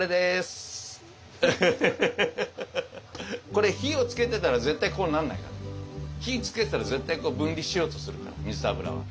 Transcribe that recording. これ火をつけてたら絶対こうなんないから。火つけたら絶対分離しようとするから水と油は。